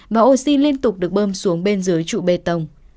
và oxy liên tục được bơm xuống bên dưới trụ bê tông